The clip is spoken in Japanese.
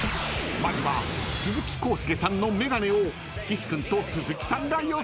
［まずは鈴木浩介さんの眼鏡を岸君と鈴木さんが予想］